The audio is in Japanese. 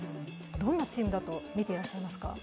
どんなチームだとみてらっしゃいますか？